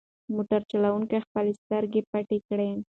موټر چلونکي خپلې سترګې پټې کړې.